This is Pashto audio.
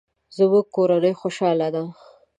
زموږ کورنۍ خوشحاله ده